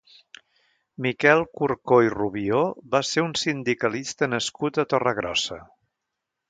Miquel Curcó i Rubió va ser un sindicalista nascut a Torregrossa.